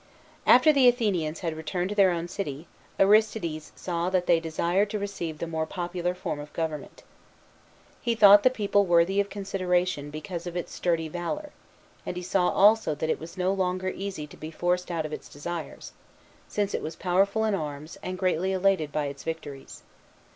XXII. After the Athenians had returned to their own city, Aristides saw that they desired to receive the more popular form of government. He thought the people worthy of consideration because of its sturdy valour, and he saw also that it was no longer easy to be forced out of its desires, since it was powerful in arms, and greatly elated by its victories.